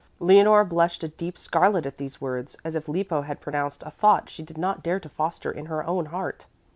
Leonore blushed a deep scarlet at these words, as if Lippo had pronounced a thought she did not dare to foster in her own heart.